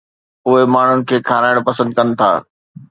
اهي ماڻهن کي کارائڻ پسند ڪن ٿا